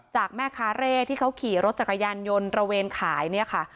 จากแม่ค้าเร่ที่เขาขี่รถจักรยานยนต์ระเวนขายเนี่ยค่ะ